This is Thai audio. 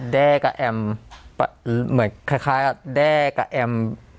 แด้กับแอมเหมือนคล้ายกับแด้กับแอม